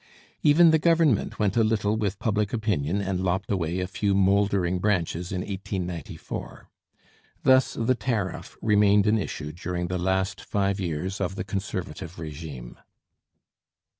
Even the Government went a little with public opinion and lopped away a few 'mouldering branches' in 1894. Thus the tariff remained an issue during the last five years of the Conservative régime.